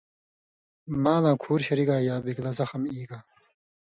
مالاں کُھور شری گا یا بِگلہ زخم ای گا